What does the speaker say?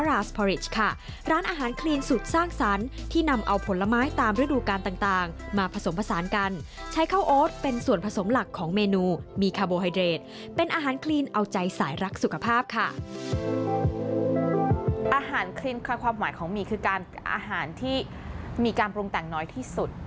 อาหารความหมายของหมี่คือการอาหารที่มีการปรุงแต่งน้อยที่สุด